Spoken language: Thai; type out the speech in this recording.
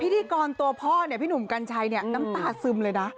พิธีกรตัวพ่อเนี่ยพี่หนุ่มกัญชัยเนี่ยน้ำตาซึมเลยนะ